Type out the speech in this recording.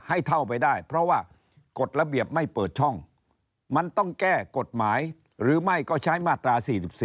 ให้เท่าไปได้เพราะว่ากฎระเบียบไม่เปิดช่องมันต้องแก้กฎหมายหรือไม่ก็ใช้มาตรา๔๔